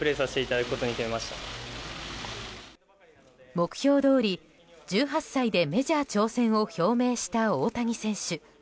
目標どおり１８歳でメジャー挑戦を表明した大谷選手。